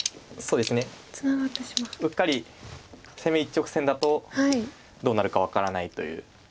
うっかり攻め一直線だとどうなるか分からないという。